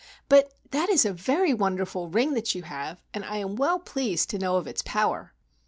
But that is a very wonderful ring that you have, and I am well pleased to know of its power."